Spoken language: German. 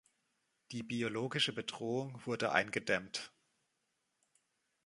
Die biologische Bedrohung wurde eingedämmt.